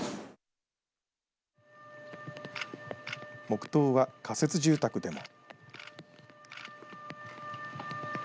黙とうは仮設住宅でも。